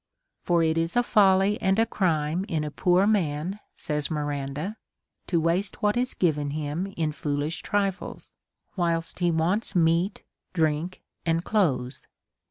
For it is a folly and a crime in a poor man, says Miranda, to waste what is given him in foolish trifles, whilst he wants meat, drink, and clothes.